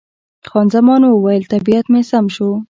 خان زمان وویل، طبیعت مې سم شو.